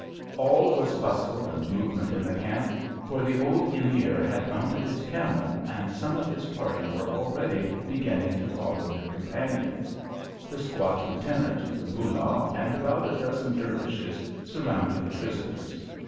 All was bustle and movement in the camp, for the old Emir had mounted his camel, and some of his party were already beginning to follow their companions. The squat lieutenant, the Moolah, and about a dozen Dervishes surrounded the prisoners.